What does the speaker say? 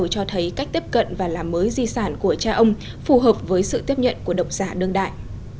cho thấy cách tiếp cận và làm mới di sản của cha ông phù hợp với sự tiếp nhận của độc giả đương đại